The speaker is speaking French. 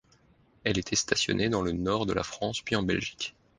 Elle était stationnée dans le Nord de la France, puis en Belgique.